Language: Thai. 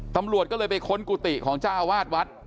ตำรวจก็เลยไปค้นกุฏิของเจ้าวาดวัด